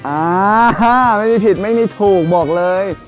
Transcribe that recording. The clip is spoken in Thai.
อ่าไม่มีผิดไม่มีถูกบอกเลย